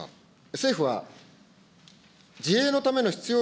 政府は、自衛のための必要